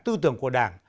tư tưởng của đảng